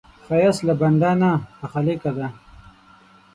ښایست له بنده نه، له خالقه دی